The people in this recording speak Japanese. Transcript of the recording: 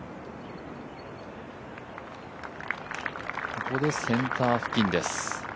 ここでセンター付近です。